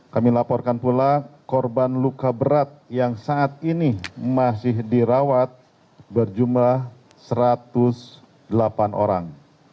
kami laporkan pula korban luka berat yang saat ini masih dirawat berjumlah satu ratus delapan orang